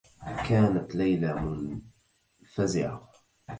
كانت ليلى منفزعة.